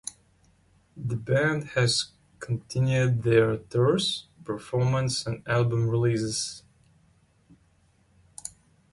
The band has continued their tours, performances and album releases.